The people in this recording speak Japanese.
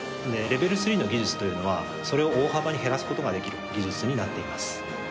でレベル３の技術というのはそれを大幅に減らすことができる技術になっています。